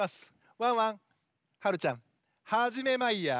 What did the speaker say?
ワンワンはるちゃんはじめマイヤー。